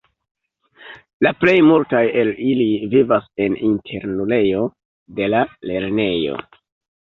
La plej multaj el ili vivas en internulejo de la lernejo.